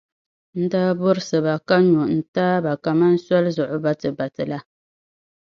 N daa burisi ba ka no n-taai ba kaman soli zuɣu batibati la.